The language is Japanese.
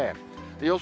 予想